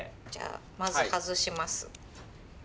じゃあまず外します。